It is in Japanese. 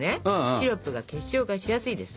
シロップが結晶化しやすいです。